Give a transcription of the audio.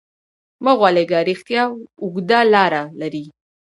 مه غولېږه، رښتیا اوږده لاره لري.